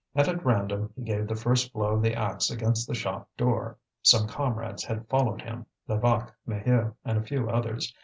And at random he gave the first blow of the axe against the shop door. Some comrades had followed him Levaque, Maheu, and a few others.